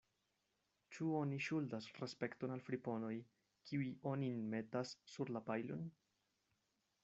Ĉu oni ŝuldas respekton al friponoj, kiuj onin metas sur la pajlon.